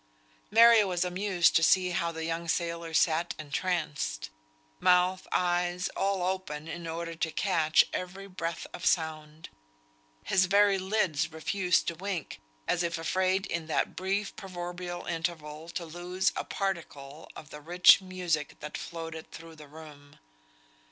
Mary was amused to see how the young sailor sat entranced; mouth, eyes, all open, in order to catch every breath of sound. His very lids refused to wink, as if afraid in that brief proverbial interval to lose a particle of the rich music that floated through the room.